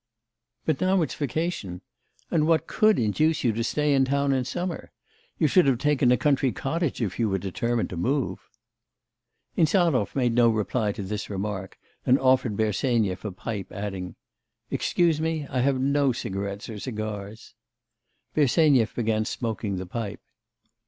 'But now it's vacation.... And what could induce you to stay in the town in summer! You should have taken a country cottage if you were determined to move.' Insarov made no reply to this remark, and offered Bersenyev a pipe, adding: 'Excuse me, I have no cigarettes or cigars.' Bersenyev began smoking the pipe.